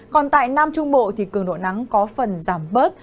còn tại nam trung bộ thì cường độ nắng có phần giảm bớt